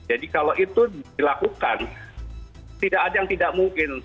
jadi kalau itu dilakukan tidak ada yang tidak mungkin